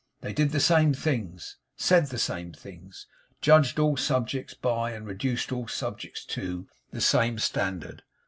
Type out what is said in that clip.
They did the same things; said the same things; judged all subjects by, and reduced all subjects to, the same standard.